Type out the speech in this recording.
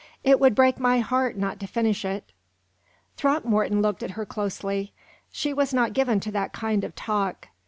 "It would break my heart not to finish it." Throckmorton looked at her closely. She was not given to that kind of talk.